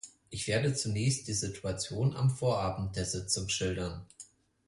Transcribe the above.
Ich werde zunächst die Situation am Vorabend der Sitzung schildern.